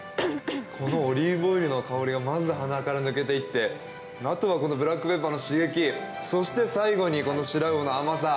このオリーブオイルの香りがまず鼻から抜けていってあとはこのブラックペッパーの刺激そして最後にこのシラウオの甘さ。